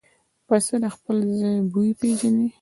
پسه د خپل ځای بوی پېژني.